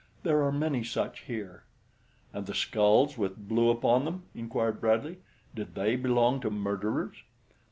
There are many such here." "And the skulls with blue upon them?" inquired Bradley. "Did they belong to murderers?"